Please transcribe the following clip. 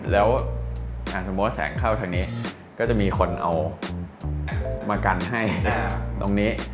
แล้วสมมุติแสงเข้าทางนี้ก็จะมีคนเอามากันให้ตรงนี้